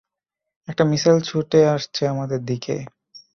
একটা মিসাইল ছুটে আসছে আমাদের দিকে।